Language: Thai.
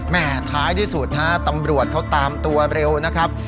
ท้ายที่สุดฮะตำรวจเขาตามตัวเร็วนะครับ